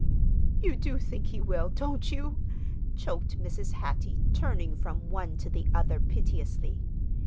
"You do think he will, don't you?" choked Mrs. Hattie, turning from one to the other piteously.